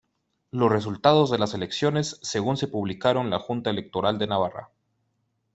Los resultados de las elecciones según se publicaron la Junta Electoral de Navarra.